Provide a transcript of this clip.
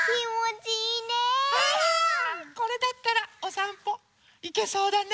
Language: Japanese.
これだったらおさんぽいけそうだね。